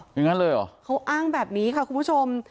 อย่างนั้นเลยเหรอเขาอ้างแบบนี้ค่ะคุณผู้ชม